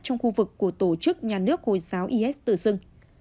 trong khu vực của tổ chức nhà nước hồi giáo is tự xưng